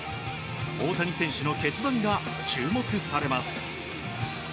大谷選手の決断が注目されます。